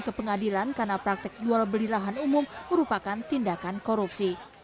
ke pengadilan karena praktek jual beli lahan umum merupakan tindakan korupsi